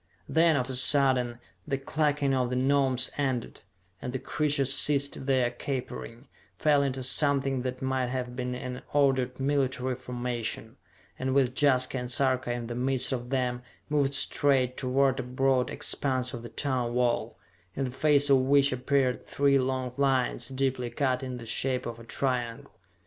Then, of a sudden, the clucking of the Gnomes ended, and the creatures ceased their capering, fell into something that might have been an ordered military formation, and with Jaska and Sarka in the midst of them, moved straight toward a broad expanse of the tunnel wall, in the face of which appeared three long lines, deeply cut in the shape of a triangle.